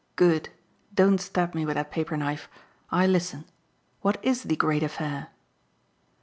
Good don't stab me with that paper knife. I listen. What IS the great affair?"